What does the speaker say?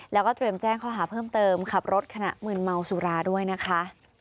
แล้วก็เตรียมแจ้งข้อหาเพิ่มเติมขับรถขณะมืนเมาสุราด้วยนะคะ